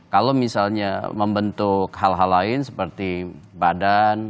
kalau misalnya membentuk hal hal lain seperti badan